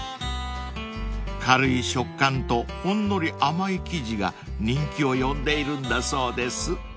［軽い食感とほんのり甘い生地が人気を呼んでいるんだそうです］